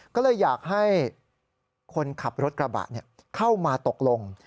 ก็เลยอยากให้คนขับรถกระบะเข้ามาตกลง